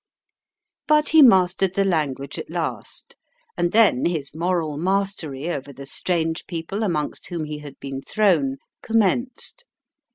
But he mastered the language at last, and then his moral mastery over the strange people amongst whom he had been thrown commenced.